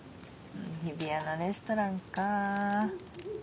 日比谷のレストランか。